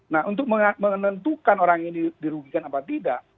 nah untuk menentukan orang ini dirugikan apa tidak